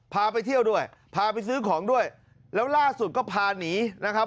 พาไปเที่ยวด้วยพาไปซื้อของด้วยแล้วล่าสุดก็พาหนีนะครับ